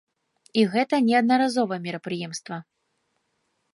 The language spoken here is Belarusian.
І гэта не аднаразовае мерапрыемства.